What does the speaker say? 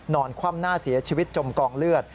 คว่ำหน้าเสียชีวิตจมกองเลือด